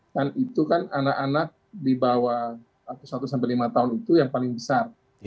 dan itu kan anak anak di bawah satu lima tahun itu yang paling berharga